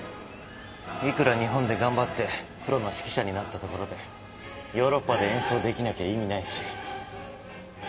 いくら日本で頑張ってプロの指揮者になったところでヨーロッパで演奏できなきゃ意味ないし。